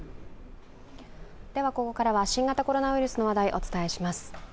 ここからは新型コロナウイルスの話題をお伝えします。